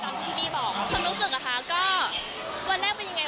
แต่ว่าตอนนี้ก็คืออยากคงกันกับปัจจุบันมากกว่า